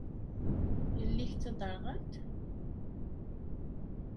Yelli-k d taderɣalt?